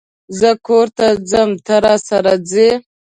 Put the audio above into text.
زه کور ته ځم ته، راسره ځئ؟